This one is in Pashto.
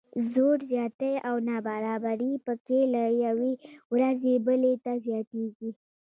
زور زیاتی او نابرابري پکې له یوې ورځې بلې ته زیاتیږي.